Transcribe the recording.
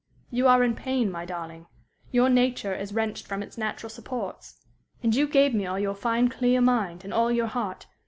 You are in pain, my darling. Your nature is wrenched from its natural supports. And you gave me all your fine, clear mind, and all your heart.